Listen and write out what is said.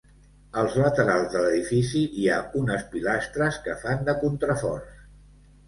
Als laterals de l'edifici hi ha unes pilastres que fan de contraforts.